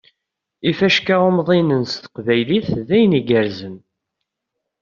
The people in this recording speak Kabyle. Ifecka umḍinen s teqbaylit, d ayen igerrzen!